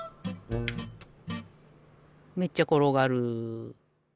めっちゃころがる。